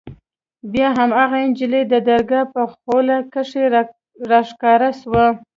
بيا هماغه نجلۍ د درګاه په خوله کښې راښکاره سوه.